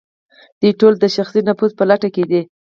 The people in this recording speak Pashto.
دوی تل د شخصي نفوذ په لټه کې دي.